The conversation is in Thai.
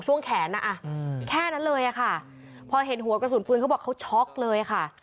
ช่วงแขนอ่ะแค่นั้นเลยอะค่ะพอเห็นหัวกระสุนปืนเขาบอกเขาช็อกเลยค่ะ